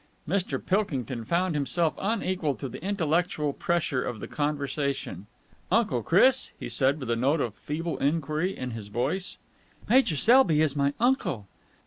Mr. Pilkington found himself unequal to the intellectual pressure of the conversation. "Uncle Chris?" he said with a note of feeble enquiry in his voice. "Major Selby is my uncle."